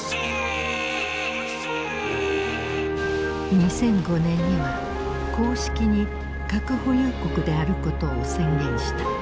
２００５年には公式に核保有国であることを宣言した。